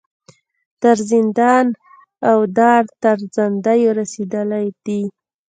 تر زندان او دار تر زندیو رسېدلي دي.